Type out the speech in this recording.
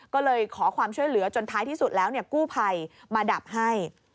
ก็เลยขอความช่วยเหลือจนท้ายที่สุดแล้วกู้ภัยมาดับให้